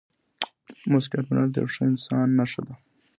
مسؤلیت منل د یو ښه انسان نښه ده.